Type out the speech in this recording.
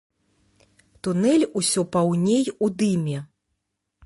Тунель усё паўней у дыме.